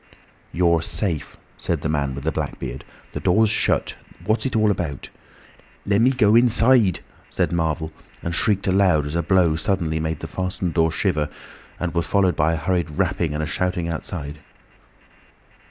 "You're safe," said the man with the black beard. "The door's shut. What's it all about?" "Lemme go inside," said Marvel, and shrieked aloud as a blow suddenly made the fastened door shiver and was followed by a hurried rapping and a shouting outside.